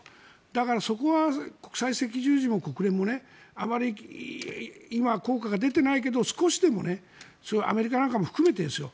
だからそこは国際赤十字も国連もあまり今効果が出ていないけれど少しでもアメリカなんかも含めてですよ